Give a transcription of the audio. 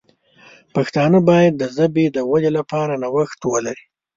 پښتانه باید د ژبې د ودې لپاره نوښت ولري.